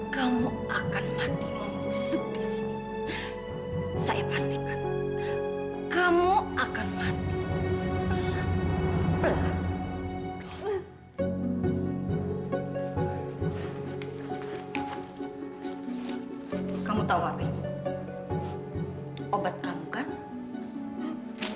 sampai jumpa di video selanjutnya